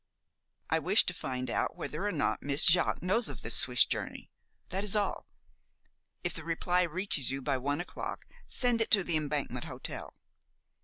"I wish to find out whether or not Miss Jaques knows of this Swiss journey; that is all. If the reply reaches you by one o'clock send it to the Embankment Hotel.